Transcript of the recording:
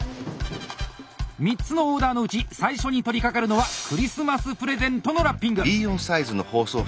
３つのオーダーのうち最初に取りかかるのはクリスマスプレゼントのラッピング！